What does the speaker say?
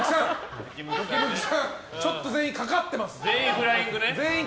ちょっと全員かかってます。